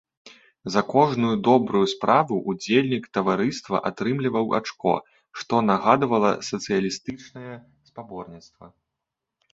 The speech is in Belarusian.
За кожную добрую справу ўдзельнік таварыства атрымліваў ачко, што нагадвала сацыялістычнае спаборніцтва.